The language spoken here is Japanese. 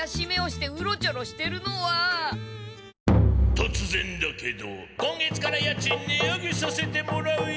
とつぜんだけど今月から家賃値上げさせてもらうよ。